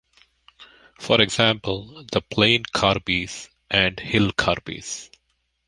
For example, The Plain Karbi's and Hill Karbi's.